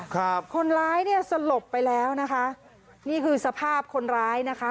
คนร้ายเนี่ยสลบไปแล้วนะคะนี่คือสภาพคนร้ายนะคะ